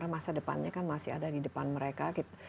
masa depannya kan masih ada di depan mereka